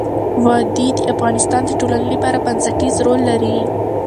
وادي د افغانستان د ټولنې لپاره بنسټيز رول لري.